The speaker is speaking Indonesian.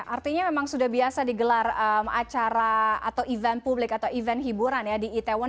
artinya memang sudah biasa digelar acara atau event publik atau event hiburan ya di itaewon